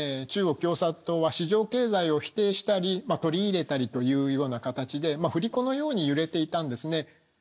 中国共産党は市場経済を否定したり取り入れたりというような形で振り子のように揺れていたんですね。